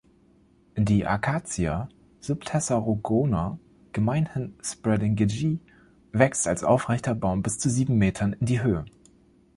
Die Acacia subtessarogona (gemeinhin: spreading gidgee) wächst als aufrechter Baum bis zu sieben Metern in die Höhe.